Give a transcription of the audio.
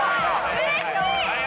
うれしい！